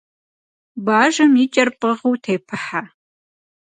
Бажэм и кӏэр пӏыгъыу тепыхьэ.